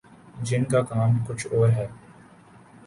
جن کا کام کچھ اور ہے۔